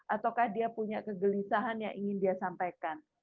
ataukah dia punya kegelisahan yang ingin dia sampaikan